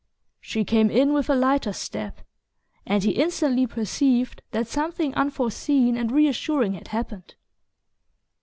She came in with a lighter step, and he instantly perceived that something unforeseen and reassuring had happened.